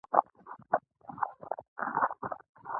نیکولای هم په همدې باور و.